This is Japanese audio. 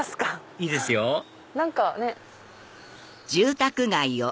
いいですよ何かね。